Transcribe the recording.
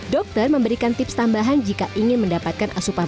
dokter memberikan tips tambahan jika ingin mendapatkan asupan